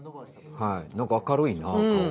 何か明るいな顔が。